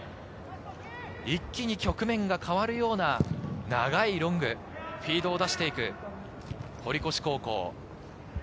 一気に局面が変わるような長いロング、フィードを出していく、堀越高校。